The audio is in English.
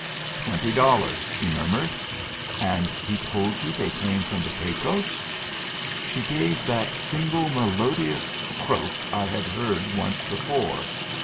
"Twenty dollars!" she murmured. "And he told you they came from the Pecos!" She gave that single melodious croak I had heard once before.